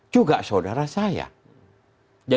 juga saudara saya